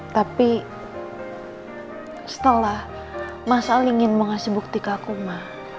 tapi setelah mas al ingin mengasih bukti ke aku ma